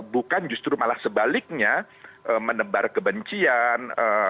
bukan justru malah sebaliknya menebar kebencian